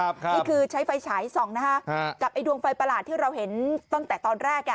นี่คือใช้ไฟฉายส่องนะฮะกับไอดวงไฟประหลาดที่เราเห็นตั้งแต่ตอนแรก